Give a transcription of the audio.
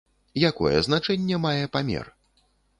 Якое значэнне мае памер?